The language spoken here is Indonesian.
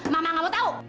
mama nggak mau tahu